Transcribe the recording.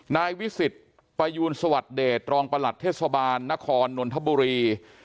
นายวิสิทธิ์ประยูนสวัสดิเดตรองประหลัดเทศบาลนครนนทบุรี